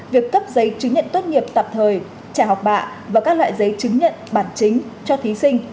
việc cấp giấy chứng nhận tốt nghiệp tạm thời trả học bạ và các loại giấy chứng nhận bản chính cho thí sinh